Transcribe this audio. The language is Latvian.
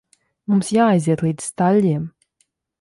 Mums jāaiziet līdz staļļiem.